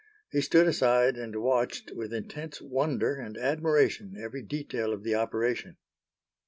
He stood aside and watched with intense wonder and admiration every detail of the operation.